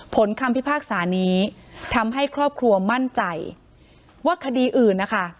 คำพิพากษานี้ทำให้ครอบครัวมั่นใจว่าคดีอื่นนะคะ